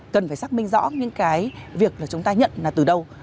cần phải xác minh rõ những cái việc là chúng ta nhận là từ đâu